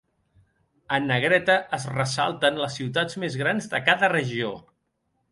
En negreta es ressalten les ciutats més grans de cada regió.